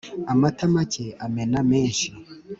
Amata make amena menshi.